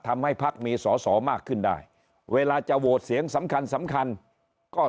ทำให้พักมีสสอมากขึ้นได้เวลาจะโหดเสียงสำคัญก็